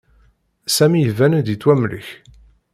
Sami iban-d yettwamlek.